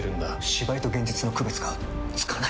芝居と現実の区別がつかない！